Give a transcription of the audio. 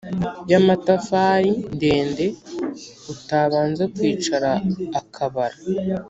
Y amatafari ndende utabanza kwicara akabara